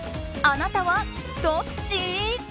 あなたはどっち？